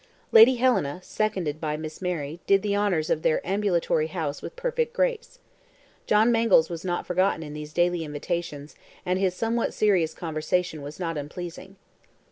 Lady Helena, seconded by Miss Mary, did the honors of their ambulatory house with perfect grace. John Mangles was not forgotten in these daily invitations, and his somewhat serious conversation was not unpleasing.